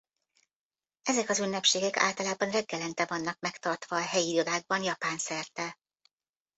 Ezek az ünnepségek általában reggelente vannak megtartva a helyi irodákban Japán-szerte.